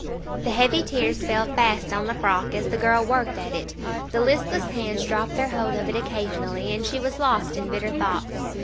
The heavy tears fell fast on the frock as the girl worked at it; the listless hands dropped their hold of it occasionally, and she was lost in bitter thoughts.